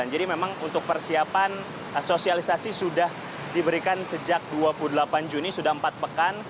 jadi memang untuk persiapan sosialisasi sudah diberikan sejak dua puluh delapan juni sudah empat pekan